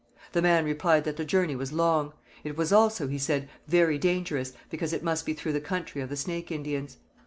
The man replied that the journey was long. It was also, he said, very dangerous, because it must be through the country of the Snake Indians.